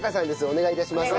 お願い致します。